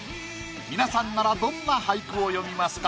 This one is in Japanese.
皆さんならどんな俳句を詠みますか？